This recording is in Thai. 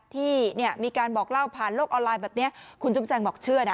ที่เนี่ยมีการบอกเล่าผ่านโลกออนไลน์แบบนี้คุณจุ้มแจงบอกเชื่อนะ